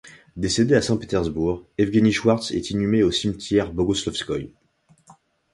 Décédé à Saint-Pétersbourg, Evgueni Schwarz est inhumé au Cimetière Bogoslovskoïe.